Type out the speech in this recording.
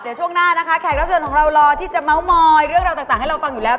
เดี๋ยวช่วงหน้านะคะแขกรับเชิญของเรารอที่จะเมาส์มอยเรื่องราวต่างให้เราฟังอยู่แล้ว